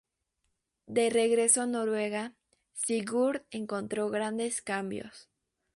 De regreso a Noruega, Sigurd encontró grandes cambios.